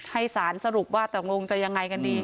ให้สารสรุปว่าตกลงจะยังไงกันดี